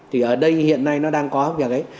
thì ở đây hiện nay nó đang có việc ấy